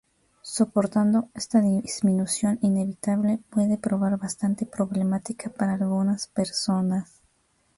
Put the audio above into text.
Soportando esta disminución inevitable puede probar bastante problemática para algunas personas.